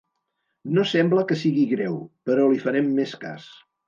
No sembla que sigui greu, però li farem més cas.